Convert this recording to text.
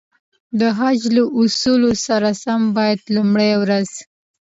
د حج له اصولو سره سم باید لومړی ورځ.